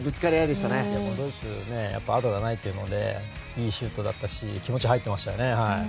でも、ドイツ後がないというのでいいシュートだったし気持ちが入ってましたね。